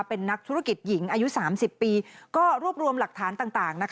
เป็นนักธุรกิจหญิงอายุ๓๐ปีก็รวบรวมหลักฐานต่าง